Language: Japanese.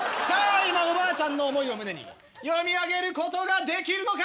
今おばあちゃんの思いを胸に読み上げることができるのか？